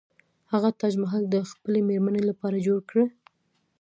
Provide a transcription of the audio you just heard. هغه تاج محل د خپلې میرمنې لپاره جوړ کړ.